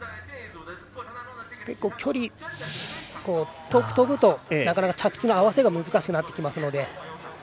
結構、遠くとぶとなかなか着地の合わせが難しくなってきますので。